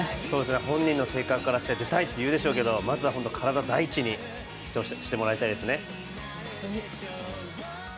本人の性格からして、出たいって言うでしょうけどまずは体を第一にしてもらいたいですね。